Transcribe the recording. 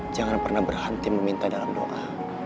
jangan pernah berhenti meminta dalam doa